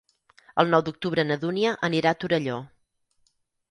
El nou d'octubre na Dúnia anirà a Torelló.